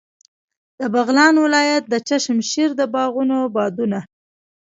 د بغلان ولایت د چشم شیر د باغونو بادونه.